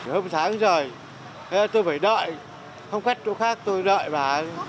hôm sáng rồi tôi phải đợi không khách chỗ khác tôi đợi bà